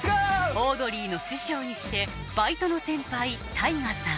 オードリーの師匠にしてバイトの先輩ＴＡＩＧＡさん